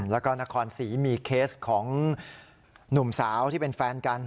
แล้วก็นครศรีมีเคสของหนุ่มสาวที่เป็นแฟนกัน